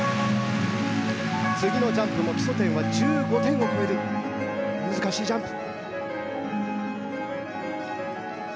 次のジャンプも基礎点は１５点を超える難しいジャンプ。